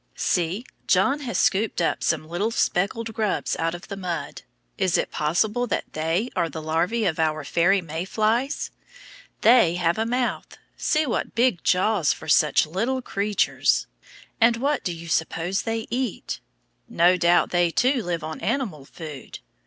See, John has scooped up some little speckled grubs out of the mud. Is it possible that they are the larvæ of our fairy May flies? They have a mouth! see what big jaws for such little creatures. And what do you suppose they eat? No doubt they, too, live on animal food.